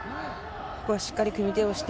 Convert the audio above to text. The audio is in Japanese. ここはしっかり組み手をして